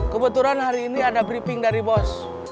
kebetulan hari ini ada briefing dari bos